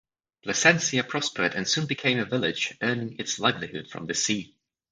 Placencia prospered and soon became a village, earning its livelihood from the sea.